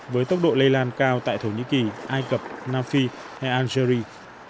với tốc độ lây lan cao tại thổ nhĩ kỳ ai cập nam phi hay algeria